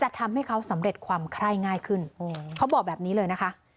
ทำให้เขาสำเร็จความไคร้ง่ายขึ้นเขาบอกแบบนี้เลยนะคะ